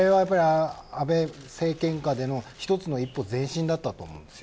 あれは安倍政権下での一つの一歩前進だったと思います。